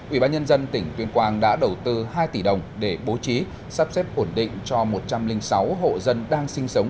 ubnd tỉnh tuyên quang đã đầu tư hai tỷ đồng để bố trí sắp xếp ổn định cho một trăm linh sáu hộ dân đang sinh sống